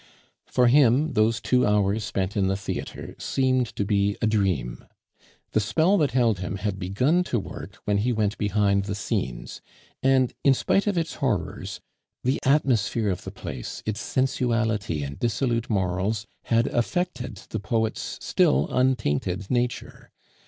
For him those two hours spent in the theatre seemed to be a dream. The spell that held him had begun to work when he went behind the scenes; and, in spite of its horrors, the atmosphere of the place, its sensuality and dissolute morals had affected the poet's still untainted nature.